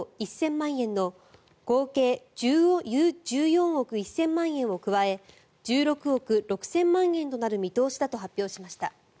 １０００万円の合計１４億１０００万円を加え１６億６０００万円となる見通しだと発表しました。